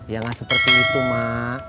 ya nggak seperti itu mak